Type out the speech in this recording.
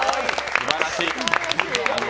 すばらしい。